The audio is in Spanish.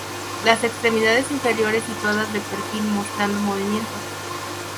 Las extremidades inferiores situadas de perfil mostrando movimiento.